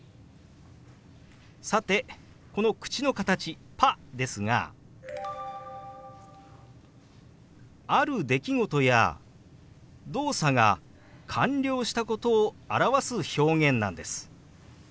さてこの口の形「パ」ですがある出来事や動作が完了したことを表す表現なんです。